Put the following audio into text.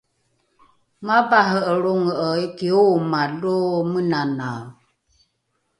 mavare’e lronge’e iki ooma lo menanae